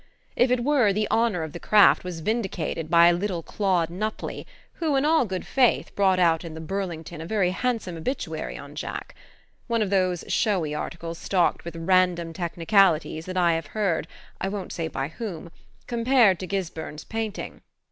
If it were, the honour of the craft was vindicated by little Claude Nutley, who, in all good faith, brought out in the Burlington a very handsome "obituary" on Jack one of those showy articles stocked with random technicalities that I have heard (I won't say by whom) compared to Gisburn's painting.